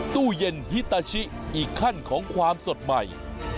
ตู้เย็นฮิตาชิอีกขั้นของความสดใหม่